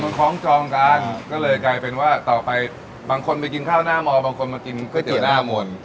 มันคล้องจองกันก็เลยกลายเป็นว่าต่อไปบางคนไปกินข้าวหน้ามอบางคนมากินก๋วยเตี๋ยวหน้ามนต์